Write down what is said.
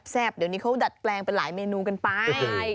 เดี๋ยวนี้เขาดัดแปลงเป็นหลายเมนูกันไป